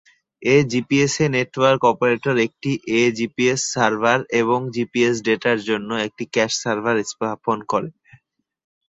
এ-জিপিএসে network operator একটি A GPS server এবং GPS ডেটার জন্য একটি ক্যাশ সার্ভার স্থাপন করে।